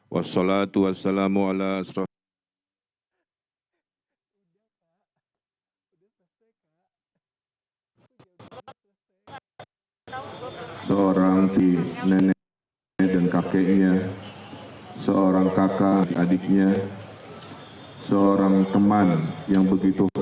wassalatu wassalamu ala srafil anjir